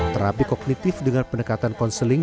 terapi kognitif dengan pendekatan konseling